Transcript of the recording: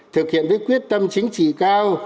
thực hiện với quyết tâm chính trị cao